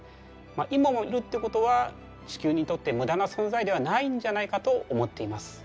今もいるってことは地球にとって無駄な存在ではないんじゃないかと思っています。